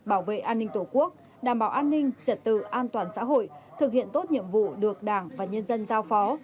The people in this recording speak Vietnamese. bảo vệ an ninh tổ quốc đảm bảo an ninh trật tự an toàn xã hội thực hiện tốt nhiệm vụ được đảng và nhân dân giao phó